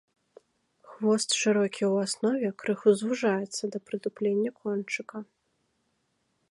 Хвост шырокі ў аснове, крыху звужаецца да прытуплення кончыка.